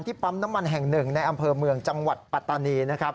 ที่ปั๊มน้ำมัณแห่ง๑ในอำเภอเมืองจังหวัดปรตานี